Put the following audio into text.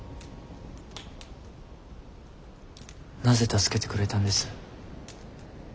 なぜ助けてくれたんです。